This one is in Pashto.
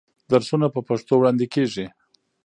درسونه په پښتو وړاندې کېږي.